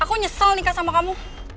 aku nyesel nikah sama kamu